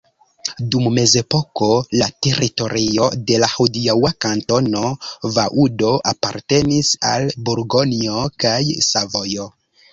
Dum mezepoko la teritorio de la hodiaŭa Kantono Vaŭdo apartenis al Burgonjo kaj Savojo.